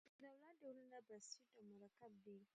د دولت ډولونه بسیط او مرکب دي.